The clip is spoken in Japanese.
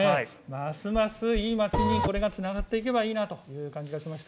ますますいい街につながっていけばいいなという感じがしました。